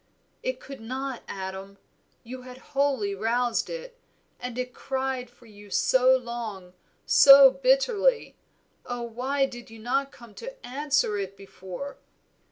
"It could not, Adam; you had wholly roused it, and it cried for you so long, so bitterly, oh, why did you not come to answer it before?"